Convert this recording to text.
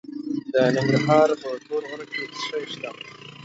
د ننګرهار په تور غره کې څه شی شته؟